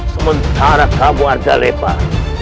sementara kamu ada lebar